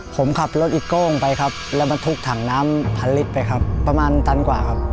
ผมขับรถอีโก้งไปครับแล้วบรรทุกถังน้ำพันลิตรไปครับประมาณตันกว่าครับ